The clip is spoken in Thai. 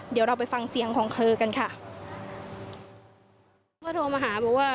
เดี๋ยวเราไปฟังเสียงของเค้ากันค่ะ